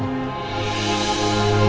ya kita percaya